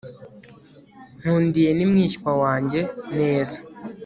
nkundiye ni mwishywa wanjye. neza